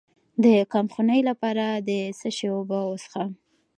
د کمخونۍ لپاره د څه شي اوبه وڅښم؟